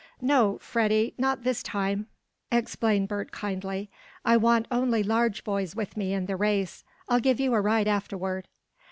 "No, Freddie, not this time," explained Bert kindly. "I want only large boys with me in the race. I'll give you a ride afterward."